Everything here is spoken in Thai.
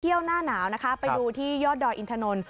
เที่ยวหน้าหนาวนะคะไปดูที่ยอดด่อยอินทรนด์